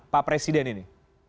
pak presiden ini